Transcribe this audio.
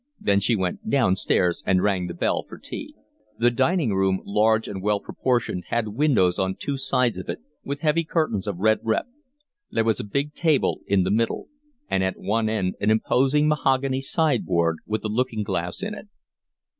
Then she went downstairs and rang the bell for tea. The dining room, large and well proportioned, had windows on two sides of it, with heavy curtains of red rep; there was a big table in the middle; and at one end an imposing mahogany sideboard with a looking glass in it.